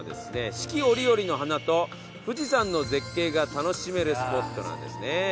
四季折々の花と富士山の絶景が楽しめるスポットなんですね。